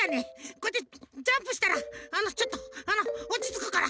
こうやってジャンプしたらあのちょっとおちつくから。